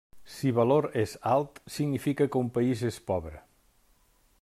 Si valor és alt, significa que un país és pobre.